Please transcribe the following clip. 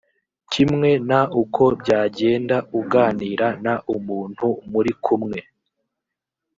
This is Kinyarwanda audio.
kimwe n uko byagenda uganira n umuntu muri kumwe